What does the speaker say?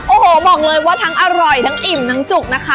โอ้โหบอกเลยว่าทั้งอร่อยทั้งอิ่มทั้งจุกนะคะ